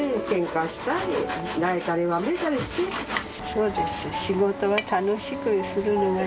そうです